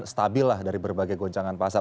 stabil lah dari berbagai goncangan pasar